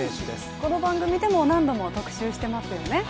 この番組でも、何度も特集していますよね。